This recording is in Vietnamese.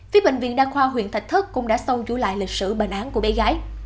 phía bệnh viện đa khoa huyện tạch thất cũng đã sâu trú lại lịch sử bàn án của bé gái